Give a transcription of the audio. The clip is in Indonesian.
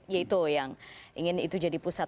yaitu yang ingin itu jadi pusat